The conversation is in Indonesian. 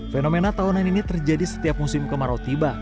fenomena tahunan ini terjadi setiap musim kemarau tiba